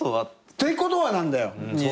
ってことはなんだよ。